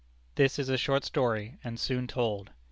This is a short story, and soon told.